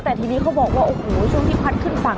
แต่ทีนี้เขาบอกว่าโอ้โหช่วงที่พัดขึ้นฝั่ง